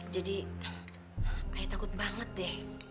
jadi ayah takut banget deh